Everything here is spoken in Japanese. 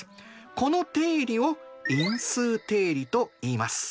この定理を因数定理といいます。